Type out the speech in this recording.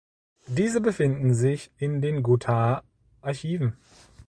Diese befinden sich in den Gothaer Archiven.